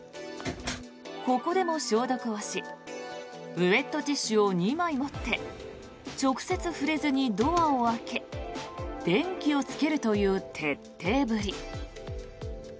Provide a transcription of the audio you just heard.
ここでも消毒をしウェットティッシュを２枚持って直接触れずにドアを開け電気をつけるという徹底ぶり。